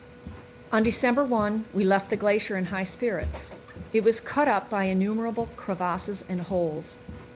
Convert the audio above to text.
On December 1 we left the glacier in high spirits. It was cut up by innumerable crevasses and holes.